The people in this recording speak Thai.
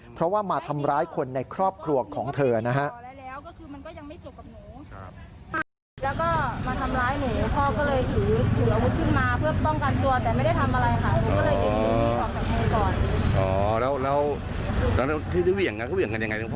เพราะว่ามาทำร้ายคนในครอบครัวของเธอนะฮะ